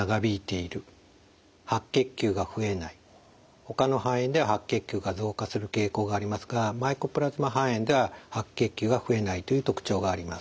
ほかの肺炎では白血球が増加する傾向がありますがマイコプラズマ肺炎では白血球が増えないという特徴があります。